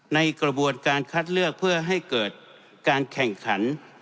ในกระบวนการคัดเลือกเพื่อให้เกิดการแข่งขัน